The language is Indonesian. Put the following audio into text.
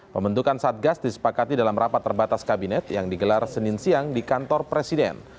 pembentukan satgas disepakati dalam rapat terbatas kabinet yang digelar senin siang di kantor presiden